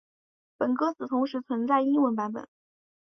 本作歌词同时存在英文版本。